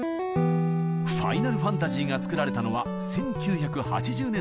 「ファイナルファンタジー」が作られたのは１９８０年代。